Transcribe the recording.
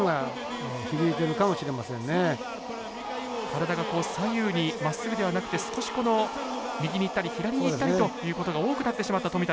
体が左右にまっすぐではなくて少しこの右に行ったり左へ行ったりということが多くなってしまった富田です。